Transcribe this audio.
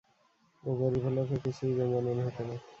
ও গরিব হলে ওকে কিছুই বেমানান হত না।